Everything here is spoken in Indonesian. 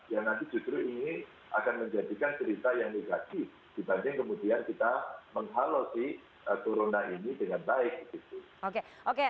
yang nanti justru ini akan menjadikan cerita yang negatif dibanding kemudian kita menghalau si corona ini dengan baik